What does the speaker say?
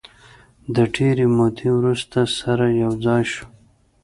د ډېرې مودې وروسته سره یو ځای شوو.